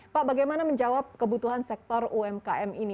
pak bagaimana menjawab kebutuhan sektor umkm ini